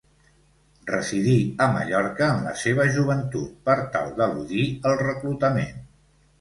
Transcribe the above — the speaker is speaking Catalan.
Residí a Mallorca en la seva joventut per tal d'eludir el reclutament.